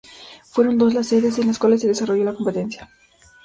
Fueron dos las sedes en las cuales se desarrolló la competencia.